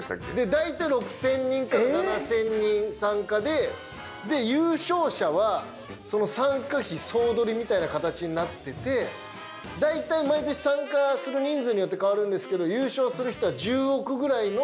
大体６０００人から７０００人参加で優勝者はその参加費総取りみたいな形になってて大体毎年参加する人数によって変わるんですけど優勝する人は１０億ぐらいの。